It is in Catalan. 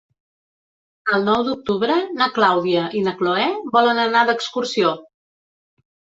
El nou d'octubre na Clàudia i na Cloè volen anar d'excursió.